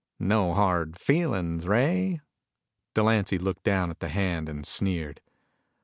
"No hard feelings, Ray?" Delancy looked down at the hand and sneered.